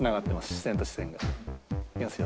視線と視線が。いきますよ。